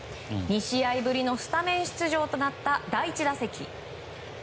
２試合ぶりのスタメン出場となった第１打席。